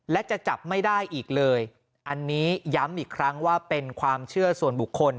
และจะจับไม่ได้อีกเลยอันนี้ย้ำอีกครั้งว่าเป็นความเชื่อส่วนบุคคล